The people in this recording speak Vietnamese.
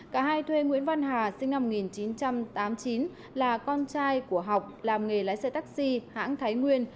cả hai thuê nguyễn văn hà sinh năm một nghìn chín trăm tám mươi chín là con trai của học làm nghề lái xe taxi hãng thái nguyên